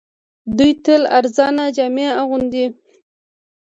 دوی تل ارزانه جامې اغوندي